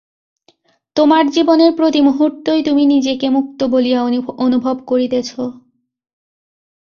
তোমার জীবনের প্রতি মুহূর্তই তুমি নিজেকে মুক্ত বলিয়া অনুভব করিতেছ।